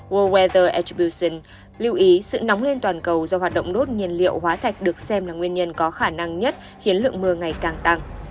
wezer antibution lưu ý sự nóng lên toàn cầu do hoạt động đốt nhiên liệu hóa thạch được xem là nguyên nhân có khả năng nhất khiến lượng mưa ngày càng tăng